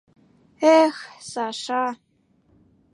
Эх, Саша!..